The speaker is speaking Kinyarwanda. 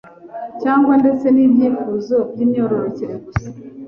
cyangwa ndetse n'ibyifuzo by'imyororokere gusa,